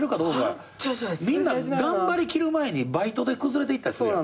みんな頑張りきる前にバイトで崩れていったりするやん。